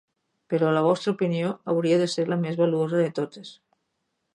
Però la vostra opinió hauria de ser la més valuosa de totes.